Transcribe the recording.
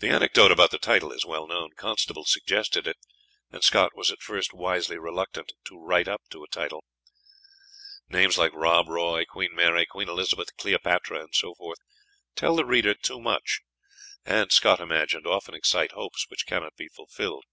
The anecdote about the title is well known. Constable suggested it, and Scott was at first wisely reluctant to "write up to a title." Names like Rob Roy, Queen Mary, Queen Elizabeth, Cleopatra, and so forth, tell the reader too much, and, Scott imagined, often excite hopes which cannot be fulfilled.